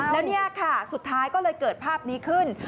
แล้วนี่ค่ะสุดท้ายก็เลยเกิดภาพนี้ขึ้น